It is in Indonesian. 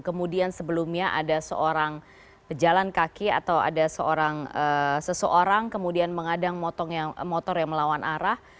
kemudian sebelumnya ada seorang pejalan kaki atau ada seseorang kemudian mengadang motor yang melawan arah